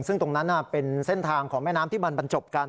ซึ่งตรงนั้นเป็นเส้นทางของแม่น้ำที่มันบรรจบกัน